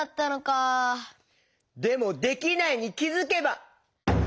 でも「できないに気づけば」？